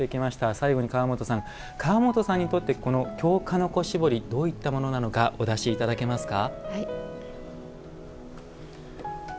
最後に、川本さんにとって京鹿の子絞り、どういったものかお出しいただけますか？